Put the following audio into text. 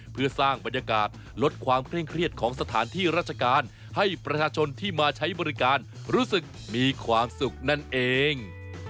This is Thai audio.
เพื่อสร้างบรรยากาศลดความเคร่งเครียดของสถานที่ราชการให้ประชาชนที่มาใช้บริการรู้สึกมีความสุขนั่นเอง